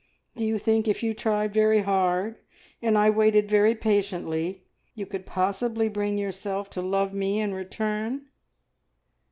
Do you think if you tried very hard, and I waited very patiently, you could possibly bring yourself to love me in return?"